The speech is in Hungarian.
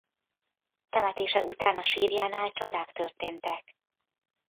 Temetése után a sírjánál csodák történtek.